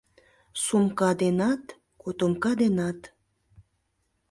Сумка денат, котомка денат.